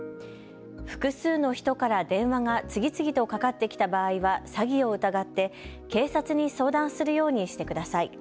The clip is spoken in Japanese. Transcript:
複数の人から電話が次々とかかってきた場合は詐欺を疑って警察に相談するようにしてください。